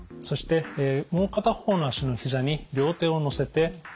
そしてもう片方の足のひざに両手をのせて。